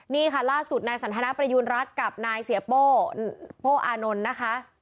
นี่ค่ะล่าสุดนายสันทนาประยูณรัฐกับนายเสียโป้โป้อานนท์นะคะ